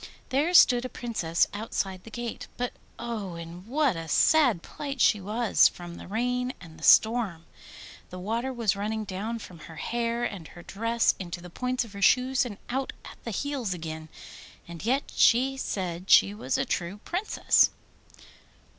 There stood a Princess outside the gate; but oh, in what a sad plight she was from the rain and the storm! The water was running down from her hair and her dress into the points of her shoes and out at the heels again. And yet she said she was a true Princess!